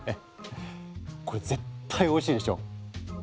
これ絶対おいしいでしょ！